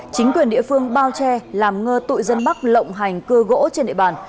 chính quyền địa phương bao che làm ngơ tội dân bắc lộng hành cưa gỗ trên địa bàn